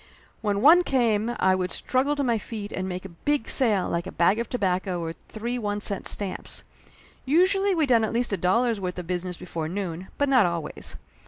When one came I would struggle to my feet and make a big sale like a bag of tobacco or three one cent stamps. Usually we done at least a dollar's worth of business before noon, but not always.